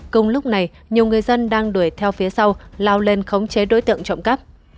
cùng lúc này nhiều người dân đang đuổi theo phía sau lao lên khống chế đối tượng trộm cắp